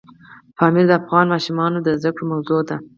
پامیر د افغان ماشومانو د زده کړې موضوع ده.